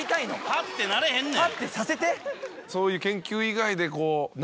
ハッてならへんねん。